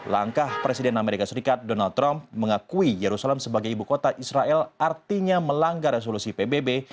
langkah presiden amerika serikat donald trump mengakui yerusalem sebagai ibu kota israel artinya melanggar resolusi pbb